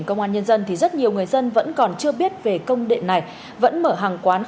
chứ nhiều dân vẫn tư tưởng chủ quan